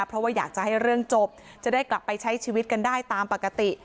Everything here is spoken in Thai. เพราะว่าอยากจะให้เรื่องจบจะได้กลับไปใช้ชีวิตกันได้ตามปกติ